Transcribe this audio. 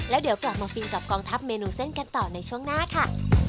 แล้วเดี๋ยวกลับมาฟินกับกองทัพเมนูเส้นกันต่อในช่วงหน้าค่ะ